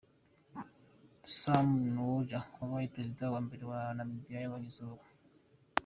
Sam Nujoma, wabaye perezida wa mbere wa Namibiya yabonye izuba.